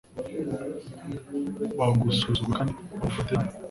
bagusuzugura kandi bagufate nabi.